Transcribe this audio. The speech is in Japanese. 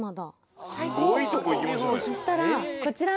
そしたらこちら！